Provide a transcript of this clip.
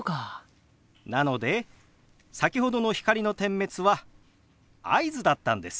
なので先ほどの光の点滅は合図だったんです。